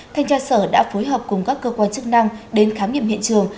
thanh tra sở đã phối hợp cùng các cơ quan chức năng đến khám nghiệm hiện trường